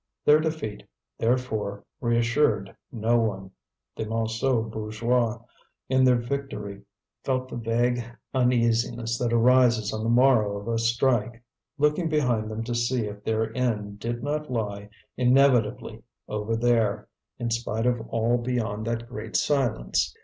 Their defeat, therefore, reassured no one. The Montsou bourgeois, in their victory, felt the vague uneasiness that arises on the morrow of a strike, looking behind them to see if their end did not lie inevitably over there, in spite of all beyond that great silence.